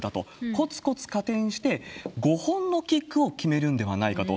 こつこつ加点して、５本のキックを決めるんではないかと。